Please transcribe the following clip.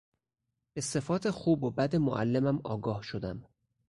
به صفات خوب و بد معلمم آگاه شدم.